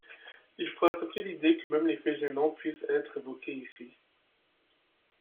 Il faut accepter l’idée que même des faits gênants puissent être évoqués ici.